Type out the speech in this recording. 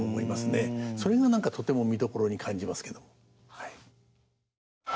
それが何かとても見どころに感じますけど。